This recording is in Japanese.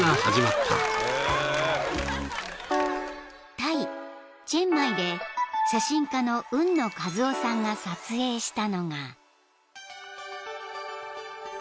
［タイチェンマイで写真家の海野和男さんが撮影したのが］